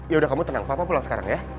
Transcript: yaudah kamu tenang papa pulang sekarang ya